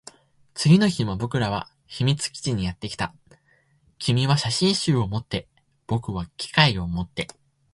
次の日も僕らは秘密基地にやってきた。君は写真集を持って、僕は機械を持って。